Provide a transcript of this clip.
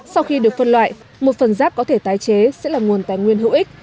sau khi được phân loại một phần rác có thể tái chế sẽ là nguồn tài nguyên hữu ích